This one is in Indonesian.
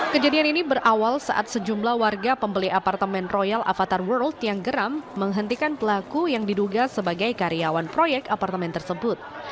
kejadian ini berawal saat sejumlah warga pembeli apartemen royal avatar world yang geram menghentikan pelaku yang diduga sebagai karyawan proyek apartemen tersebut